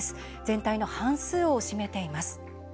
全体の半数を占めています。